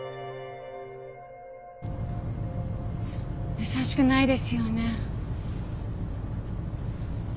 やさしくないですよね。